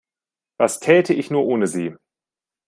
Was täte ich nur ohne Sie?